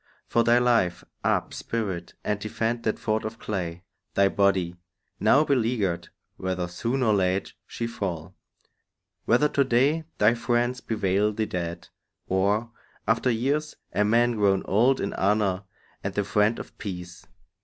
For thy life, Up, spirit, and defend that fort of clay, Thy body, now beleaguered; whether soon Or late she fall; whether to day thy friends Bewail thee dead, or, after years, a man Grown old in honour and the friend of peace.